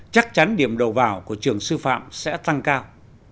chắc chắn điểm đầu vào của trường sư phạm sẽ tăng cao